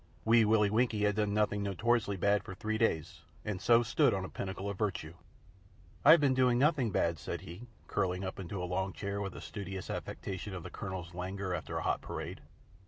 Wee Willie Winkie had done nothing notoriously bad for three days, and so stood on a pinnacle of virtue. "I've been doing nothing bad," said he, curling himself into a long chair with a studious affectation of the Colonel's languor after a hot parade.